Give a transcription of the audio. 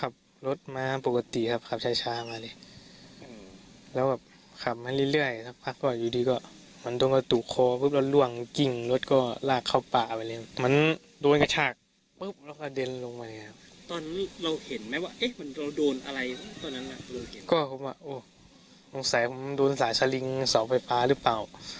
ผมว่าโอ๊ยมงสัยผมมันดูสายชะลิงเสาไฟฟ้าหรือเปล่า